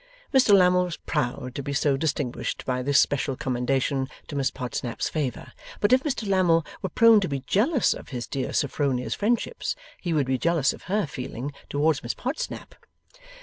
Mr Lammle was proud to be so soon distinguished by this special commendation to Miss Podsnap's favour. But if Mr Lammle were prone to be jealous of his dear Sophronia's friendships, he would be jealous of her feeling towards Miss Podsnap.